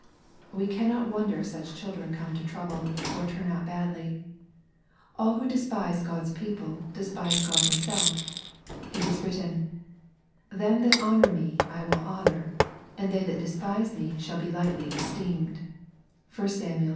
We cannot wonder if such children come to trouble, or turn out badly. All who despise God's people, despise God Himself. It is written, —" Them that honour Me I will honour, and they that despise Me shall be lightly esteemed." (i Sam. ii.